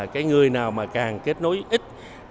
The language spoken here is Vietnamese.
cái người nào mà càng kết nối ít